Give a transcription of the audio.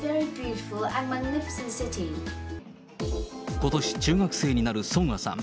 ことし、中学生になるソンアさん。